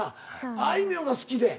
あいみょんが好きで？